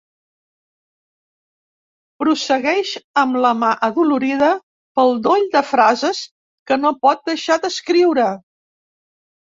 Prossegueix amb la mà adolorida pel doll de frases que no pot deixar d'escriure.